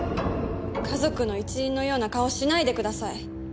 家族の一員のような顔しないでください。